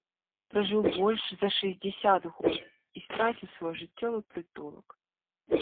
Пражыў больш за шэсцьдзесят год і страціў свой жыццёвы прытулак.